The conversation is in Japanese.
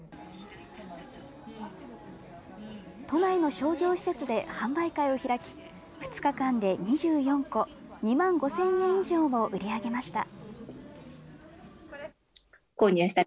都内の商業施設で販売会を開き、２日間で２４個、２万５０００円以上を売り上げました。